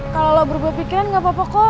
kalau lo berubah pikiran gak apa apa kok